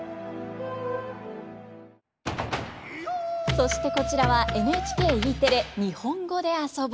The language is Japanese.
そしてこちらはＮＨＫＥテレ「にほんごであそぼ」。